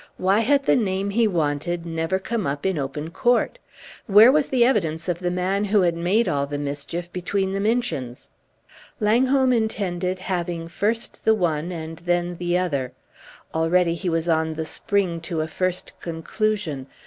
Why had the name he wanted never come up in open court? Where was the evidence of the man who had made all the mischief between the Minchins? Langholm intended having first the one and then the other; already he was on the spring to a first conclusion.